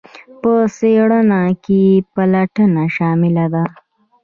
په څیړنه کې پلټنه شامله ده.